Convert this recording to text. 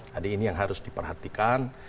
jadi ini yang harus diperhatikan